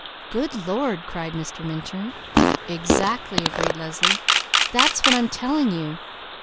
"Good Lord!" cried Mr. Minturn. "Exactly!" agreed Leslie. "That's what I'm telling you!